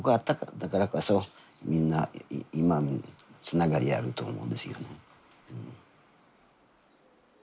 だからこそみんな今のつながりあると思うんですよね。